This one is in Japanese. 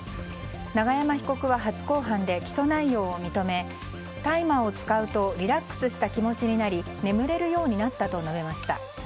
永山被告は初公判で起訴内容を認め大麻を使うとリラックスした気持ちになり眠れるようになったと述べました。